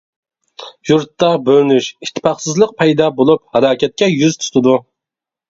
يۇرتتا بۆلۈنۈش، ئىتتىپاقسىزلىق پەيدا بولۇپ ھالاكەتكە يۈز تۇتىدۇ.